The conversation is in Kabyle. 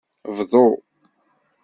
Bḍu.